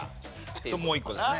ともう一個ですね。